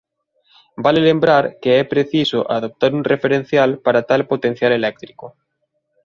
Vale lembrar que é preciso adoptar un referencial para tal potencial eléctrico.